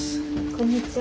こんにちは。